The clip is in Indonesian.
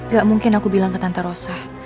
gak mungkin aku bilang ke tante rosa